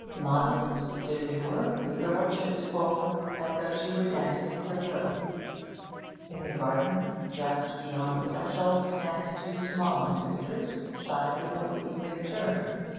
Modest, demure, the girl trips forward as though she were dancing a quadrille. In the garden, just beyond the threshold, stand two smaller sisters, shyly awaiting their turn.